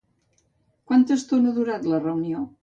Quanta estona ha durat la reunió?